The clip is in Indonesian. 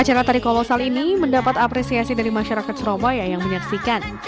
acara tari kolosal ini mendapat apresiasi dari masyarakat surabaya yang menyaksikan